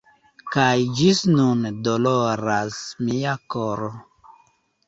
Kaj ĝis nun doloras mia koro!